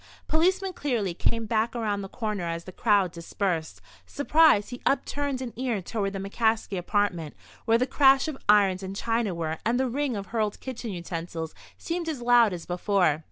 Policeman Cleary came back around the corner as the crowd dispersed. Surprised, he upturned an ear toward the McCaskey apartment, where the crash of irons and chinaware and the ring of hurled kitchen utensils seemed as loud as before.